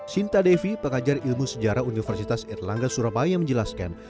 sinta devi pengajar ilmu sejarah universitas erlangga surabaya menjelaskan